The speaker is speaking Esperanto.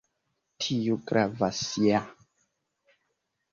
Tiu gravas ja